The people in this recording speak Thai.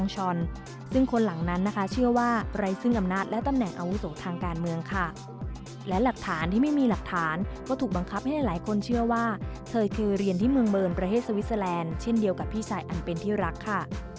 เช่นหลายคนเชื่อว่าเธอคือเรียนที่เมืองเบิร์นประเทศสวิสเซอร์แลนด์เช่นเดียวกับพี่ชายอันเป็นที่รักค่ะ